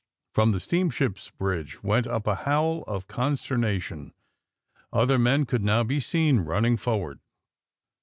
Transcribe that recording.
From the steamship's bridge went up a howl of conster nation. Other men could now be seen running forward.